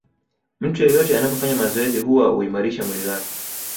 Mtu yeyote anapofanya mazoezi huwa huimarisha mwili wake